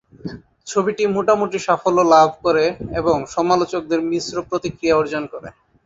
ছবিটি মোটামুটি সাফল্য লাভ করে এবং সমালোচকদের মিশ্র প্রতিক্রিয়া অর্জন করে।